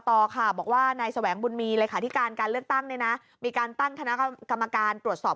เธอจะบอกว่านายแสวงบุญมีเลยค่ะที่การการเลือกตั้งนะนะมีการตั้งฯนกรรมการปรดสอบ